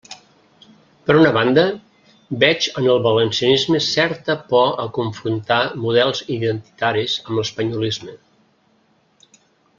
Per una banda, veig en el valencianisme certa por a confrontar models identitaris amb l'espanyolisme.